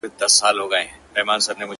سپوږميه کړنگ وهه راخېژه وايم.